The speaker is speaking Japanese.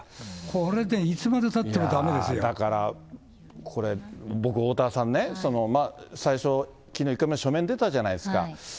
これでいつまでたってもだめですいやだから、これ、僕、おおたわさんね、最初、きのう１回目の書面出たじゃないですか。